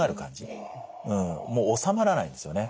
もうおさまらないんですよね。